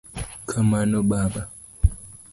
Kamano Baba.